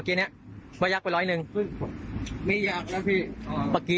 โอเคค่ะ